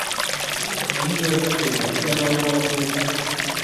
Ынде тыят яра улат вет.